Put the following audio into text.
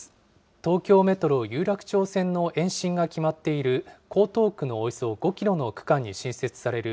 東京メトロ有楽町線の延伸が決まっている江東区のおよそ５キロの区間に新設される